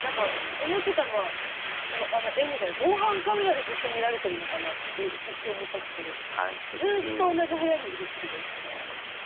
思ってたのは、あの絵みたいな防犯カメラでずっと見られてるのかなって一瞬思ったんですけどずっと同じ部屋にいるってことですもんね。